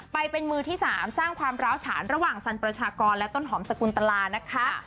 ไปเป็นมือที่๓สร้างความร้าวฉานระหว่างสันประชากรและต้นหอมสกุลตลานะคะ